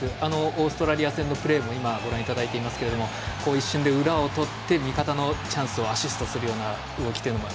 オーストラリア戦のプレーもご覧いただいていますが一瞬で裏をとって味方のチャンスをアシストする動きというのも。